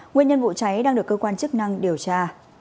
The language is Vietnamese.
nguyên nhân vụ cháy đang được cơ quan chức năng điều tra